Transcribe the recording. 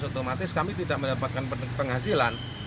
otomatis kami tidak mendapatkan penghasilan